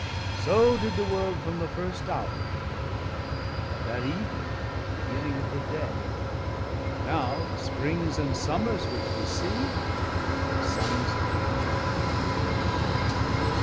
_] So did the world from the first houre decay, That evening was beginning of the day, And now the Springs and Sommers which we see, Like sonnes of women after fiftie bee.